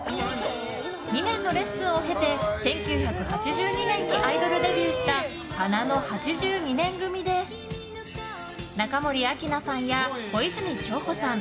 ２年のレッスンを経て１９８２年にアイドルデビューした花の８２年組で中森明菜さんや小泉今日子さん